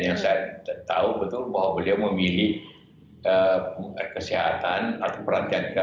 yang saya tahu betul bahwa beliau memilih kesehatan atau perhatian kesehatan